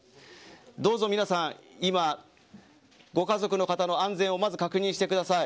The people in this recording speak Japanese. どうぞ皆さん今ご家族の方の安全をまず確認してください。